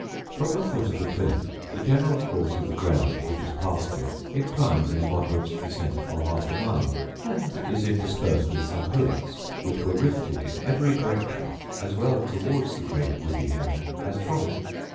From the foot of the cliff the general course of the ground, which is pasture, inclines in a moderate descent for half a mile, and is interspersed with some hillocks, which were rifted, in every direction, as well towards the great woody hanger, as from it.